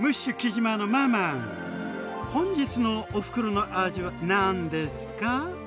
本日のおふくろの味は何ですか？